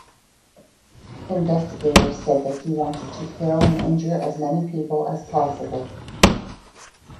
Investigators said that he wanted to kill and injure as many people as possible.